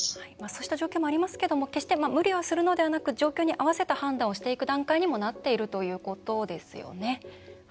そうした状況もありますけど決して無理するのではなく状況に合わせた判断をしていく段階になっているということですよね。